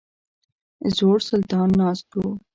زوړ سلطان ناست وو.